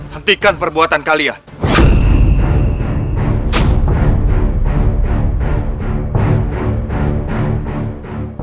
hentikan perbuatan kalian